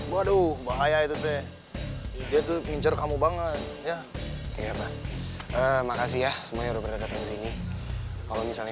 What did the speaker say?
bodoh bahaya itu teh itu pincir kamu banget ya ya makasih ya semuanya berdekatan sini kalau misalnya